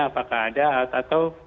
apakah ada atau